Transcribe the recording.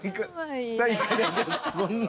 そんな。